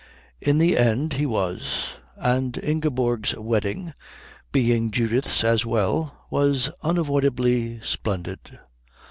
In the end he was, and Ingeborg's wedding, being Judith's as well, was unavoidably splendid.